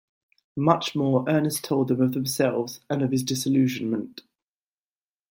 Much more Ernest told them of themselves and of his disillusionment.